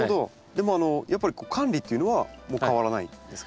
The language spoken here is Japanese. でもやっぱり管理っていうのは変わらないんですか？